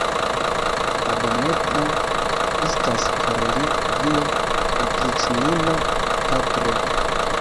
Abomena estas por li via opriĉnino, patro!